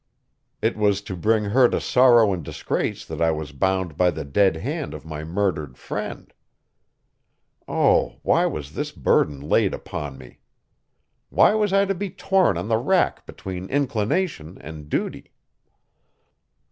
It was to bring her to sorrow and disgrace that I was bound by the dead hand of my murdered friend. Oh, why was this burden laid upon me? Why was I to be torn on the rack between inclination and duty?